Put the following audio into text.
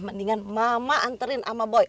mendingan mama anterin sama boy